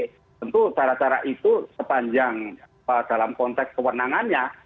tentu cara cara itu sepanjang dalam konteks kewenangannya